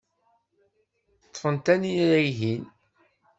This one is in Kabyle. Ṭṭfent tanila-ihin.